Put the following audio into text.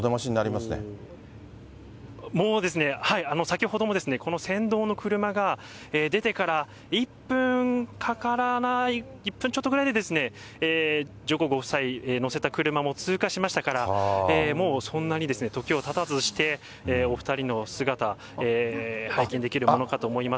もうですね、先ほども、この先導の車が出てから１分かからない、１分ちょっとぐらいでですね、上皇ご夫妻乗せた車も通過しましたから、もうそんなにですね、時をたたずして、お２人の姿、拝見できるものかと思います。